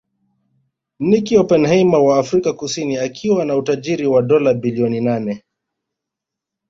Nicky Oppenheimer wa Afrika Kusini akiwa na utajiri wa dola bilioni nane